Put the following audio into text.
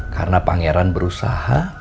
karena pangeran berusaha